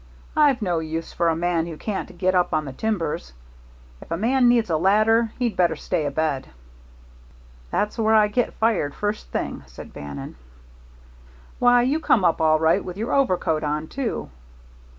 I've no use for a man who can't get up on the timbers. If a man needs a ladder, he'd better stay abed." "That's where I get fired first thing," said Bannon. "Why, you come up all right, with your overcoat on, too."